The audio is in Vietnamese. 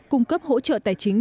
cung cấp hỗ trợ tài chính